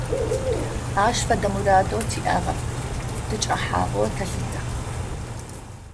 Ащ фэдэ мурадэу тиӏагъэм тыкӏэхьагъэу тэлъытэ.